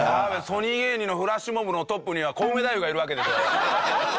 ソニー芸人のフラッシュモブのトップにはコウメ太夫がいるわけでしょ？